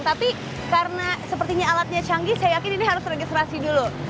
tapi karena sepertinya alatnya canggih saya yakin ini harus registrasi dulu